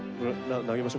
投げましょ。